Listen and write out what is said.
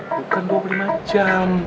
bukan dua puluh lima jam